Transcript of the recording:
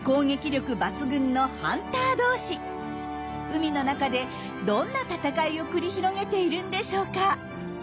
海の中でどんな闘いを繰り広げているんでしょうか？